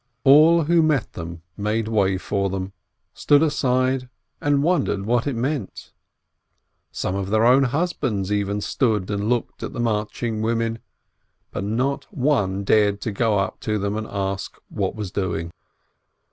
All who met them made way for them, stood aside, and wondered what it meant. Some of their own husbands even stood and looked at the march ing women, but not one dared to go up to them and ask what was doing.